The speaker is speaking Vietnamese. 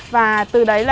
và từ đấy là